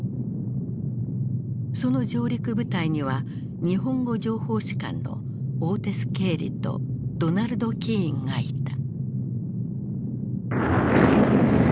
その上陸部隊には日本語情報士官のオーテス・ケーリとドナルド・キーンがいた。